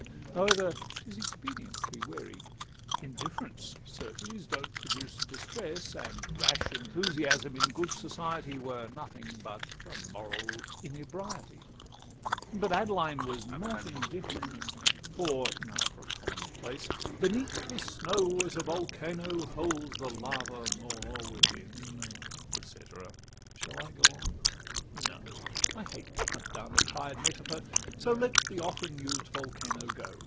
However, 't is expedient to be wary: Indifference certes don't produce distress; And rash enthusiasm in good society Were nothing but a moral inebriety. XXXVI But Adeline was not indifferent: for (Now for a common place!) beneath the snow, As a volcano holds the lava more Within et cætera. Shall I go on? No! I hate to hunt down a tired metaphor, So let the often used volcano go.